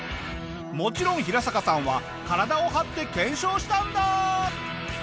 もちろんヒラサカさんは体を張って検証したんだ！